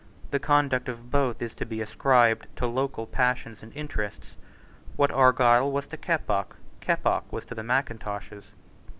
The conduct of both is to be ascribed to local passions and interests. What Argyle was to Keppoch, Keppoch was to the Mackintoshes.